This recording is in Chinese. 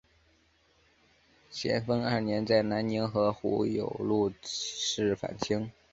咸丰二年在南宁和胡有禄起事反清。